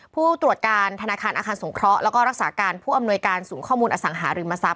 ผู้ตรวจการธนาคารอาคารสงเคราะห์แล้วก็รักษาการผู้อำนวยการศูนย์ข้อมูลอสังหาริมทรัพ